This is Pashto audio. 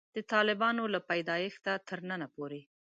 د طالبانو له پیدایښته تر ننه پورې.